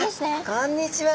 こんにちは。